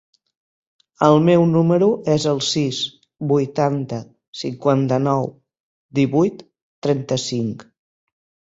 El meu número es el sis, vuitanta, cinquanta-nou, divuit, trenta-cinc.